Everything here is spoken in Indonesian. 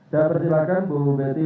saya persilakan bu beti